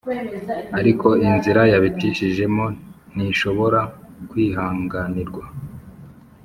Ariko inzira yabicishijemo ntishobora kwihanganirwa